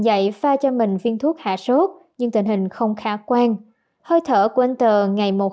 dạy pha cho mình viên thuốc hạ sốt nhưng tình hình không khả quan hơi thở của anh tờ ngày một